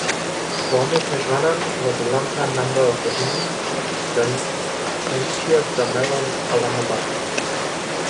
Swami Keshwanand was a longtime member of the Hindi Sahitya Sammelan, Allahabad.